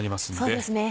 そうですね